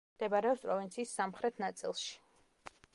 მდებარეობს პროვინციის სამხრეთ ნაწილში.